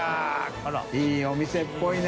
いいお店っぽいな。